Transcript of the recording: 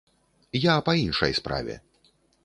Я па іншай справе.